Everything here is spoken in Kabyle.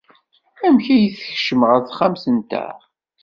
Amek ay tkecmeḍ ɣer texxamt-nteɣ?